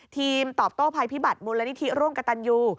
ทีมตอบโต้ภัยพิบัตรมูลนิธิร่วมกับตันยู